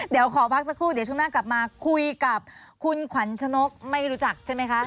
เดี๋ยวขอพักสักครู่เดี๋ยวช่วงหน้ากลับมาคุยกับคุณขวัญชนกไม่รู้จักใช่ไหมคะ